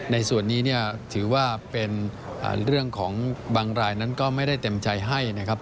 ในส่วนนี้เนี่ยถือว่าเป็นเรื่องของบางรายนั้นก็ไม่ได้เต็มใจให้นะครับ